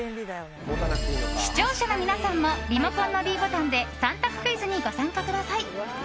視聴者の皆さんもリモコンのｄボタンで３択クイズにご参加ください。